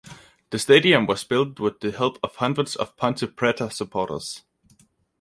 The stadium was built with the help of hundreds of Ponte Preta supporters.